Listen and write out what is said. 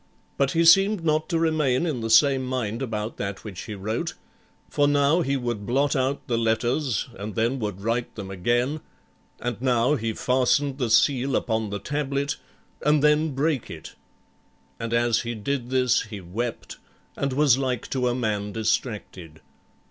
But he seemed not to remain in the same mind about that which he wrote; for now he would blot out the letters, and then would write them again; and now he fastened the seal upon the tablet and then brake it. And as he did this he wept and was like to a man distracted.